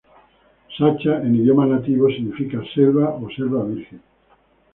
Sacha en idioma nativo significa selva o selva virgen.